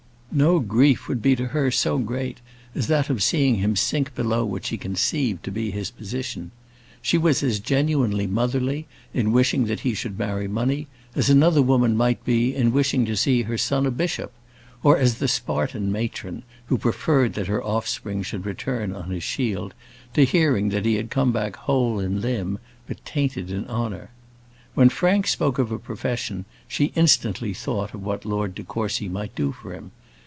No grief would be to her so great as that of seeing him sink below what she conceived to be his position. She was as genuinely motherly, in wishing that he should marry money, as another woman might be in wishing to see her son a bishop; or as the Spartan matron, who preferred that her offspring should return on his shield, to hearing that he had come back whole in limb but tainted in honour. When Frank spoke of a profession, she instantly thought of what Lord de Courcy might do for him.